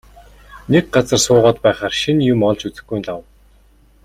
Нэг газар суугаад байхаар шинэ юм олж үзэхгүй нь лав.